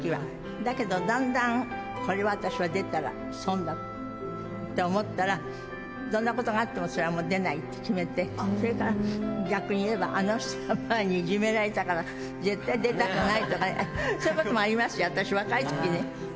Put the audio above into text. だけど、だんだん、これは私は出たら損だって思ったら、どんなことがあっても、それはもう出ないって決めて、それから、逆に言えば、あの人に前にいじめられたから、絶対出たくないとか、そういうこともありますよ、私、若いときね。